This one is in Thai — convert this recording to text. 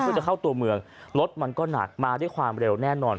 เพื่อจะเข้าตัวเมืองรถมันก็หนักมาด้วยความเร็วแน่นอน